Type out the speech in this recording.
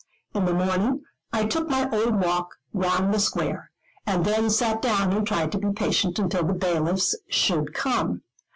In the morning I took my old walk round the Square, and then sat down and tried to be patient until the bailiffs should come.